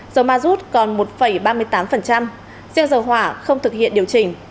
dầu ma rút còn một ba mươi tám riêng dầu hỏa không thực hiện điều chỉnh